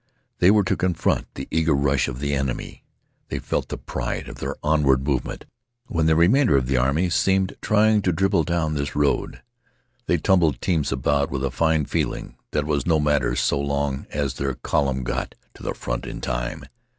They were to confront the eager rush of the enemy. They felt the pride of their onward movement when the remainder of the army seemed trying to dribble down this road. They tumbled teams about with a fine feeling that it was no matter so long as their column got to the front in time.